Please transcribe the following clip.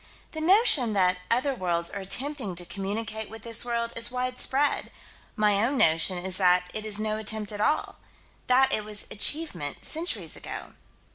The notion that other worlds are attempting to communicate with this world is widespread: my own notion is that it is not attempt at all that it was achievement centuries ago.